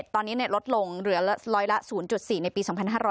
ตอนนี้ลดลงเหลือร้อยละ๐๔ในปี๒๕๕๙